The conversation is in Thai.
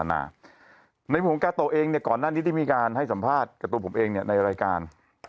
ในมุมของกาโตะเองเนี่ยก่อนหน้านี้ที่มีการให้สัมภาษณ์กับตัวผมเองในรายการ